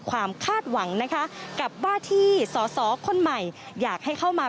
คาดหวังนะคะกับว่าที่สอสอคนใหม่อยากให้เข้ามา